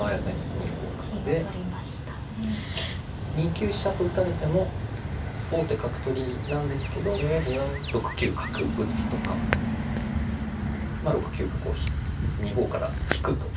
２九飛車と打たれても王手角取りなんですけど６九角打とか６九角を２五から引くとか。